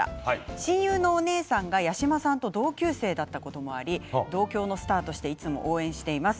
親友のお姉さんが八嶋さんと同級生だったこともあり同郷のスターとしていつも応援しています。